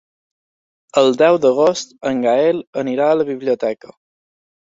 El deu d'agost en Gaël anirà a la biblioteca.